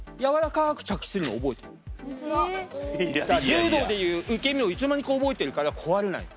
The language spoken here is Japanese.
柔道でいう「受け身」をいつの間にか覚えてるから壊れないの。